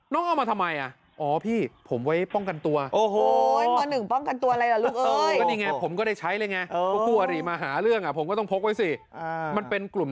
น้องเอามาทำไมโอ้พี่ผมไว้ป้องกันตัวโอ้โหเหมือนเป็นป้องกันตัวนะคะลูกเอ้ย